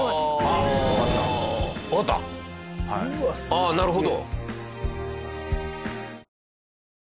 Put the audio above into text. ああなるほど。